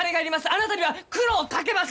あなたには苦労をかけます！